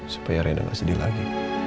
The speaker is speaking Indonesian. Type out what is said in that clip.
supaya reda gak sedih lagi